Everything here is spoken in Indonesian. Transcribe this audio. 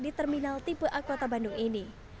di terminal tipe a kota bandung ini